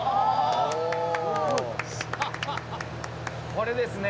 これですね